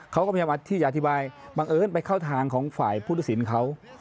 เขาก็พยายามที่จะอธิบายบังเอิญไปเข้าทางของฝ่ายพุทธศิลป์เขา